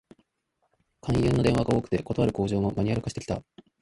勧誘の電話が多くて、断る口上もマニュアル化してきた